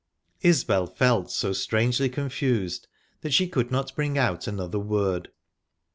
Isbel felt so strangely confused that she could not bring out another word.